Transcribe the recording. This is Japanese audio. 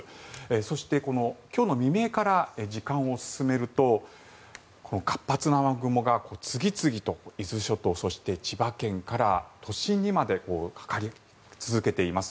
そして、今日の未明から時間を進めるとこの活発な雨雲が次々と伊豆諸島そして千葉県から都心にまでかかり続けています。